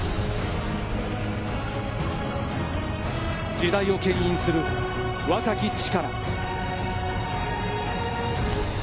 時代を牽引する、若き力。